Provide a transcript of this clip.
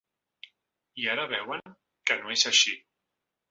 I ara veuen que no és així.